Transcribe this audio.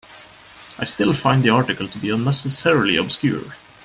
I still find the article to be unnecessarily obscure.